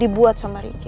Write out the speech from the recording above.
dibuat sama riki